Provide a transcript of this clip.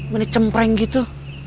mulai cempreng gitu